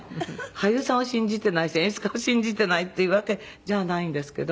「俳優さんを信じてないし演出家を信じてないっていうわけじゃないんですけど」